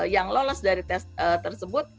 yang lolos dari tes tersebut